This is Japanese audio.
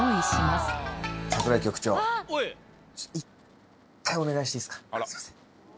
すいません。